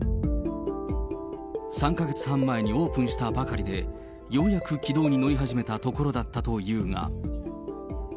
３か月半前にオープンしたばかりで、ようやく軌道に乗り始めたところだったというが。